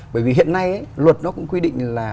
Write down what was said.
bởi vì hiện nay luật nó cũng quy định là